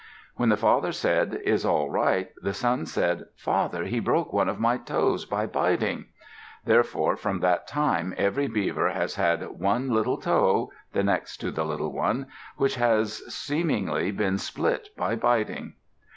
When the father said, "Is all right?" the son said, "Father, he broke one of my toes by biting." Therefore, from that time, every beaver has had one little toe (the next to the little one), which has seemingly been split by biting.